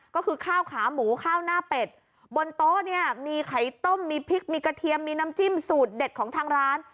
ก็คือข้าวขาหมูข้าวหน้าเป็ดบนโต๊ะเนี่ยมีไข่ต้มมีพริกมีกระเทียมมีน้ำจิ้มสูตรเด็ดของทางร้าน